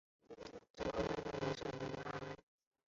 郑邦瑞是王守仁外甥。